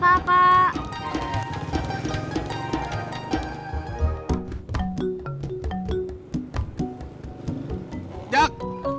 gak ada song